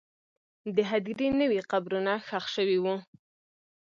د هدیرې نوې قبرونه ښخ شوي وو.